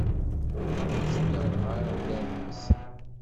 Ur tturareɣ urar-nsen.